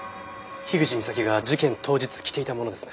口みさきが事件当日着ていたものですね。